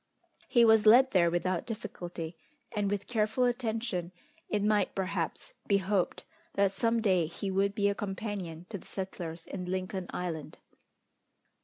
He was led there without difficulty; and with careful attention, it might, perhaps, be hoped that some day he would be a companion to the settlers in Lincoln Island.